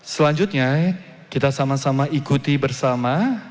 selanjutnya kita sama sama ikuti bersama